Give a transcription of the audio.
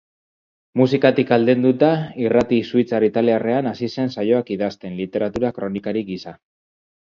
Musikatik aldenduta, irrati suitzar-italiarrean hasi zen saioak idazten, literatura-kronikari gisa.